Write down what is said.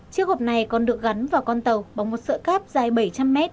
chiếc hộp này còn được gắn vào con tàu bằng một sợi cáp dài bảy trăm linh mét